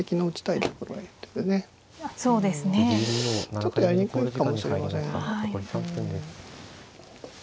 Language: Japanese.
ちょっとやりにくいかもしれません。